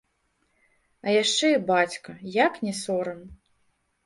А яшчэ і бацька, як не сорам.